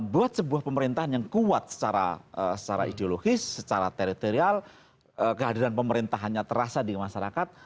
buat sebuah pemerintahan yang kuat secara ideologis secara teritorial kehadiran pemerintahannya terasa di masyarakat